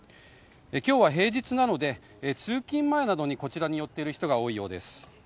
今日は平日なので通勤前などにこちらに寄っている人が多いようです。